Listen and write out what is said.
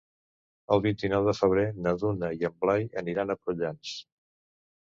El vint-i-nou de febrer na Dúnia i en Blai aniran a Prullans.